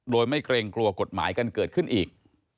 โดยไม่เกรงกลัวกฎหมายกันเกิดขึ้นอีก